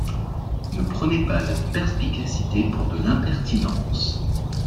Ne prenez pas la perspicacité pour de l’impertinence.